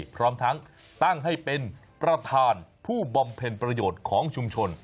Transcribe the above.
พร้อมทั้งตั้งให้เป็นประธานผู้บำเพ็ญประโยชน์ของชุมชน